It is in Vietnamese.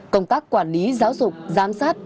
công tác quản lý giáo dục giám sát